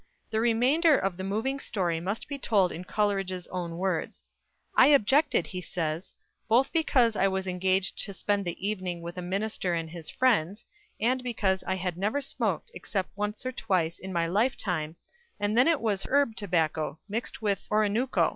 The remainder of the moving story must be told in Coleridge's own words. "I objected," he says, "both because I was engaged to spend the evening with a minister and his friends, and because I had never smoked except once or twice in my life time, and then it was herb tobacco mixed with Oronooko.